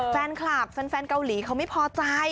แฟนคลับแฟนเกาหลีเขาไม่พอใจ